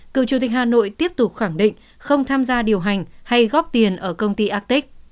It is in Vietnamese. cựu chủ tịch hà nội tiếp tục khẳng định không tham gia điều hành hay góp tiền ở công ty atex